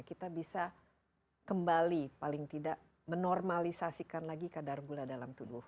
kita bisa kembali paling tidak menormalisasikan lagi kadar gula dalam tubuh